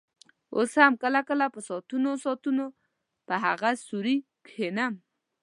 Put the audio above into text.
اوس هم کله کله په ساعتونو ساعتونو په هغه سوري کښېنم.